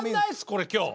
これ今日。